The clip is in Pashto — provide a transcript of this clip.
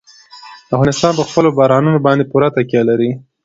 افغانستان په خپلو بارانونو باندې پوره تکیه لري.